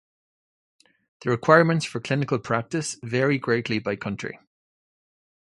The requirements for clinical practice vary greatly by country.